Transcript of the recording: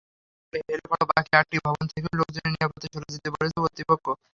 নগরে হেলে পড়া বাকি আটটি ভবন থেকেও লোকজনকে নিরাপদে সরে যেতে বলেছে কর্তৃপক্ষ।